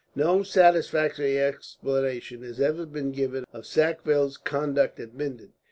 No satisfactory explanation has ever been given of Sackville's conduct at Minden.